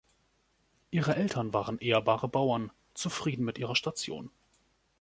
Ihre Eltern waren ehrbare Bauern, zufrieden mit ihrer Station.